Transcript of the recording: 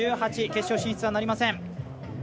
１８位、決勝進出はなりません。